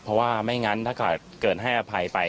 เพราะว่าไม่งั้นถ้าเกิดให้อภัยไป